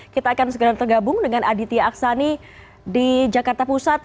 kita akan segera tergabung dengan aditya aksani di jakarta pusat